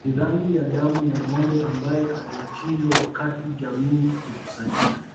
Ni rangi ya damu ya ngombe ambae anachinjwa wakati jamii ikikusanyika